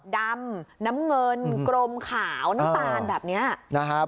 ดำน้ำเงินกรมขาวน้ำตาลแบบนี้